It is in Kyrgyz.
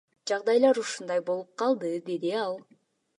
Жагдайлар ушундай болуп калды, — деди ал.